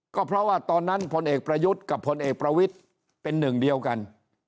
ก็เพราะว่าตอนนั้นพลเอกประยุทธ์กับพลเอกประวิทย์เป็นหนึ่งเดียวกัน